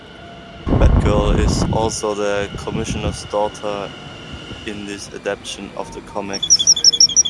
Batgirl is also the Commissioner's daughter in this adaption of the comics.